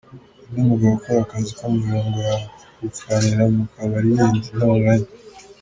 Undi mugabo ukora akazi ko mu biro ngo yahukanira mu kabari yirinda intonganya.